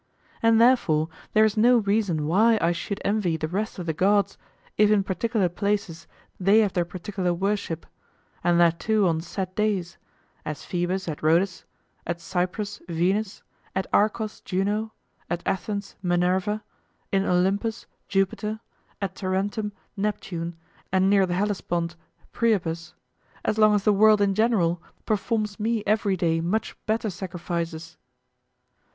And therefore there is no reason why I should envy the rest of the gods if in particular places they have their particular worship, and that too on set days as Phoebus at Rhodes; at Cyprus, Venus; at Argos, Juno; at Athens, Minerva; in Olympus, Jupiter; at Tarentum, Neptune; and near the Hellespont, Priapus as long as the world in general performs me every day much better sacrifices.